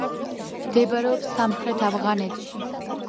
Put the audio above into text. მდებარეობს სამხრეთ ავღანეთში.